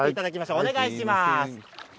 お願いします。